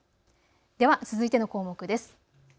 では続いての項目です。